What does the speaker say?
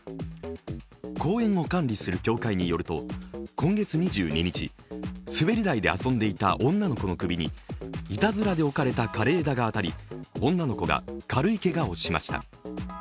公園を管理する協会によると今月２２日、滑り台で遊んでいた女の子の首にいたずらで置かれた枯れ枝が当たり女の子が軽いけがをしました。